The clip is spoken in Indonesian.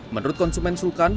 menurut konsumen sukan